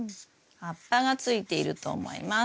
葉っぱがついていると思います。